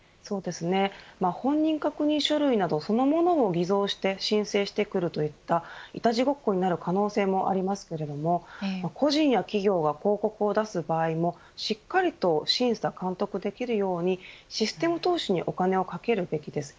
本人確認書類等そのものを偽造して申請してくるといったいたちごっこになる可能性もありますけれども個人や企業が広告を出す場合もしっかりと審査監督できるようにシステム投資にお金をかけるべきです。